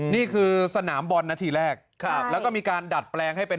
นี่คือสนามบอลนาทีแรกแล้วก็มีการดัดแปลงให้เป็น